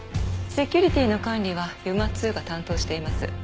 セキュリティーの管理はＵＭＡ−Ⅱが担当しています。